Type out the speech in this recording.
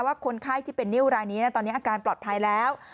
ว่าคนไข้ที่เป็นนิ้วรายนี้ตอนนี้อาการปลอดภัยแล้ว